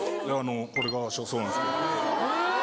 これがそうなんですけど。